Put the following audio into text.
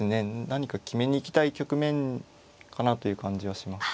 何か決めに行きたい局面かなという感じはします。